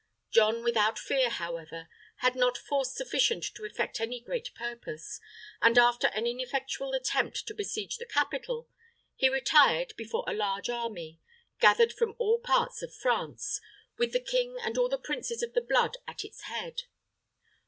John without fear, however, had not force sufficient to effect any great purpose; and, after an ineffectual attempt to besiege the capital, he retired before a large army, gathered from all parts of France, with the king and all the princes of the blood at its head.